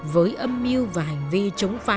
với âm mưu và hành vi chống phá